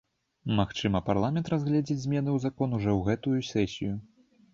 Магчыма, парламент разгледзіць змены ў закон ужо ў гэтую сесію.